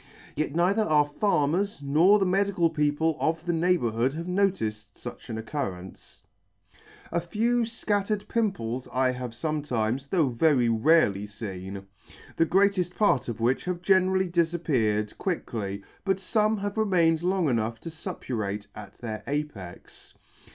Yet neither our farmers nor the medical people of the neighbourhood have noticed fuch an occurrence. A few fcattered pimples I have fometimes, though very rarely, feen, the greater part of which have generally difappeared, quickly C 149 ] quickly, but fome have remained long enough to fuppurate at their apex.